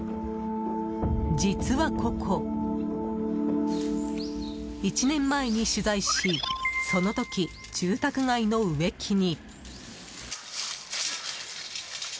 実はここ、１年前に取材しその時、住宅街の植木に。